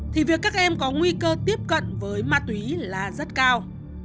thì việc các em có nguy cơ tiếp cận với ma túy là rất cao